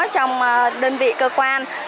trong đơn vị cơ quan